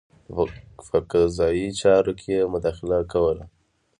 په قضايي چارو کې یې مداخله کوله.